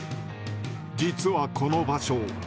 実はこの場所